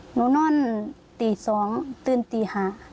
หนูนอนตีสองตื่นตีหา